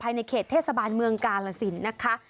ในเขตเทศบาลเมืองกาลสินนะคะ